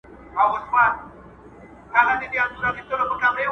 د خاوند او ميرمني په شخصي ژوند کي مداخله مه کوئ.